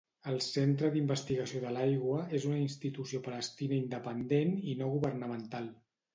El centre d'investigació de l'aigua és una institució palestina independent i no governamental.